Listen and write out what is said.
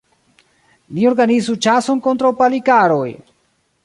Ni organizu ĉason kontraŭ Palikaroj!